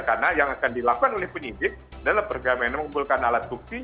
karena yang akan dilakukan oleh penyidik adalah bergabungkan mengumpulkan alat bukti